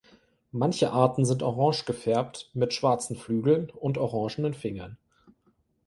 Manche Arten sind orange gefärbt, mit schwarzen Flügeln und orangen Fingern.